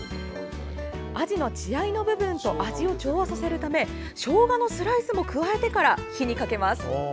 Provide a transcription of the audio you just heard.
アジの血合いの部分と味を調和させるためしょうがのスライスも加えてから火にかけます。